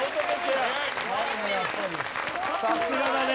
さすがだね。